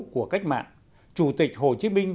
của cách mạng chủ tịch hồ chí minh